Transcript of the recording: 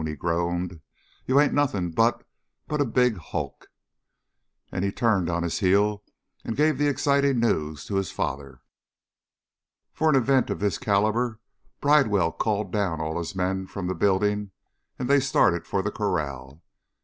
he groaned. "You ain't nothing but but a big hulk!" And he turned on his heel and gave the exciting news to his father. For an event of this caliber, Bridewell called down all his men from the building, and they started for the corral.